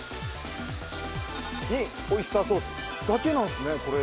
オイスターソースだけなんですねこれ。